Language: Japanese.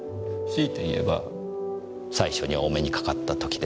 強いて言えば最初にお目にかかった時でしょうか。